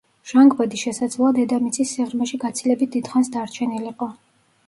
ჟანგბადი შესაძლოა დედამიწის სიღრმეში გაცილებით დიდხანს დარჩენილიყო.